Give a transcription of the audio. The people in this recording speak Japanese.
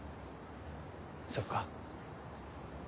そっか。